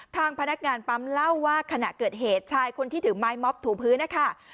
ทางพนักงานปั๊มเล่าว่าขณะเกิดเหตุชายคนที่ถือไม้ม็อบถูพื้นนะคะ